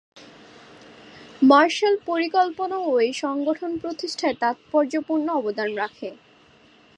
Martial পরিকল্পনা-ও এই সংগঠন প্রতিষ্ঠায় তাৎপর্যপূর্ণ অবদান রাখে।